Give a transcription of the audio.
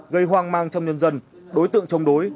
gây hoang mang trong nhân dân đối tượng chống đối